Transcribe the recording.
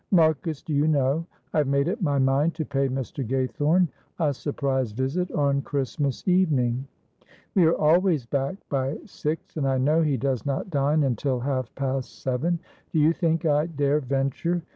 "Marcus, do you know, I have made up my mind to pay Mr. Gaythorne a surprise visit on Christmas evening. We are always back by six, and I know he does not dine until half past seven. Do you think I dare venture?